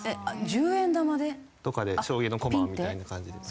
１０円玉で？とかで将棋の駒みたいな感じで。